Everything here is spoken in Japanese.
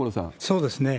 そうですね。